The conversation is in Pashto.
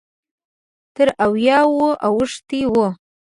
تر اویاوو اوښتی و.